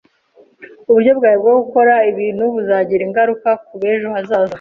Uburyo bwawe bwo gukora ibintu buzagira ingaruka kubejo hazaza.